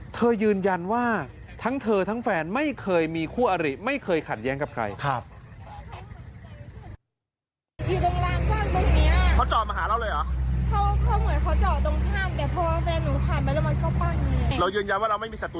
ยืนยันว่าทั้งเธอทั้งแฟนไม่เคยมีคู่อริไม่เคยขัดแย้งกับใคร